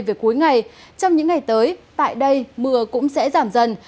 về cuối ngày trong những ngày tới tại đây mưa cũng sẽ giảm dần